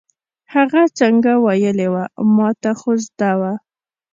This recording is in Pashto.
هغه څنګه ویلې وه، ما ته خو زده وه.